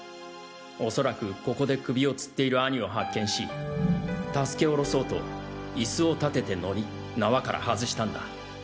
おそらくここで首を吊っている兄を発見し助けおろそうと椅子を立てて乗り縄から外したんだ。